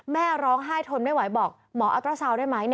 แม่ร้องไห้ทนไม่ไหวบอกหมออัตราซาวน์ได้ไหม